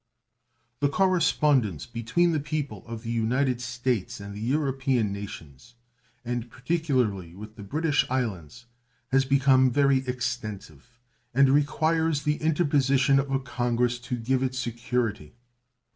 The correspondence between the people of the United States and the European nations, and particularly with the British Islands, has become very extensive, and requires the interposition of Congress to give it security.